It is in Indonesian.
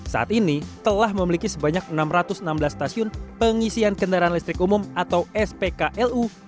saat ini telah memiliki sebanyak enam ratus enam belas stasiun pengisian kendaraan listrik umum atau spklu